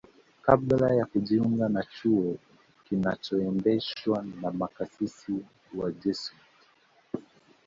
kabla ya kujiunga na chuo kinachoendeshwa na makasisi wa Jesuit